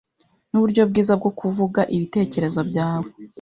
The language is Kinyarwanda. n’uburyo bwiza bwo kuvuga ibitekerezo byawe